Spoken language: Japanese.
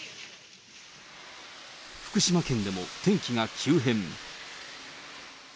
福島県でも天気が急変。